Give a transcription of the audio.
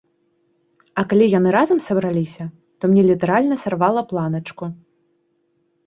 А калі яны разам сабраліся, то мне літаральна сарвала планачку.